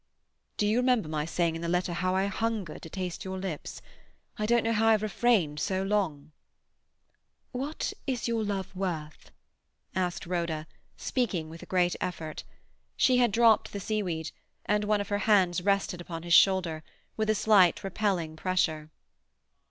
"Do you remember my saying in the letter how I hungered to taste your lips? I don't know how I have refrained so long—" "What is your love worth?" asked Rhoda, speaking with a great effort. She had dropped the seaweed, and one of her hands rested upon his shoulder, with a slight repelling pressure.